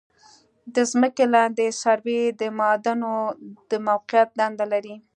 د ځمکې لاندې سروې د معادنو د موقعیت دنده لري